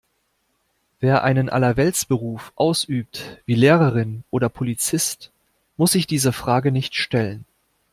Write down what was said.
Wer einen Allerweltsberuf ausübt, wie Lehrerin oder Polizist, muss sich diese Frage nicht stellen.